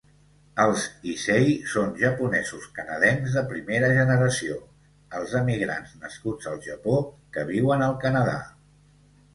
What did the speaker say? Els "Issei" són japonesos-canadencs de primera generació, els emigrants nascuts al Japó que viuen al Canadà.